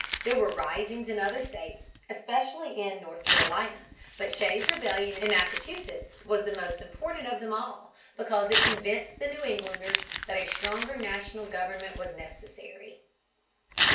There were risings in other states, especially in North Carolina. But Shays's Rebellion in Massachusetts was the most important of them all, because it convinced the New Englanders that a stronger national government was necessary.